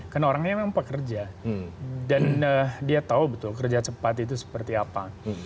karena orangnya memang pekerja dan dia tahu betul kerja cepat itu seperti apa